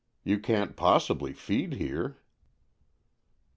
"You can't possibly feed here."